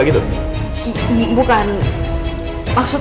apa yang kalian yakin